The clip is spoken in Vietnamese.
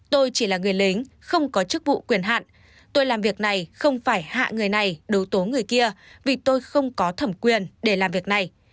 tôi chỉ là người lính không có chức vụ quyền hạn tôi làm việc này không phải hạ người này đấu tố người kia vì tôi không có thẩm quyền để làm việc này